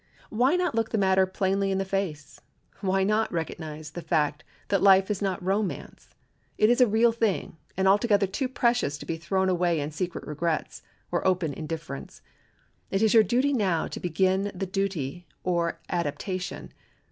Why not look the matter plainly in the face? Why not recognize the fact that life is not romance? It is a real thing, and altogether too precious to be thrown away in secret regrets or open indifference. It is your duty now to begin the duty or adaptation.